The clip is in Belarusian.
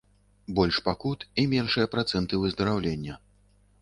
Больш пакут, і меншыя працэнты выздараўлення.